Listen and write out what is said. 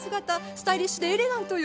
スタイリッシュでエレガントよ。